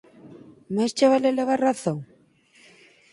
Máis che vale levar razón?